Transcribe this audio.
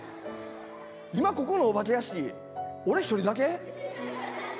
今ここのお化け屋敷俺一人だけ？